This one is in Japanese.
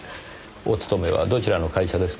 お勤めはどちらの会社ですか？